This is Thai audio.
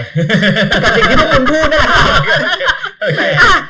กับสิ่งที่พวกคุณพูดนั่นแหละค่ะ